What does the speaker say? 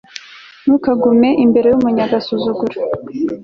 ntukagume imbere y'umunyagasuzuguro